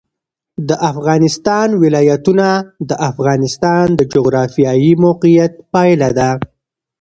د افغانستان ولايتونه د افغانستان د جغرافیایي موقیعت پایله ده.